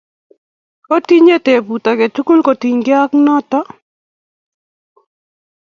Otinye tebut ake tukul kotinkey ak notokii?